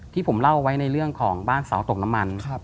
ที่ผมเล่าไว้ในเรื่องของบ้านเสาตกน้ำมัน